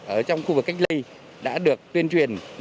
ở trong khu vực cách ly đã được tuyên truyền một trăm linh